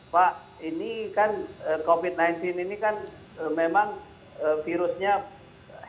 pak ini kan covid sembilan belas ini kan memang virusnya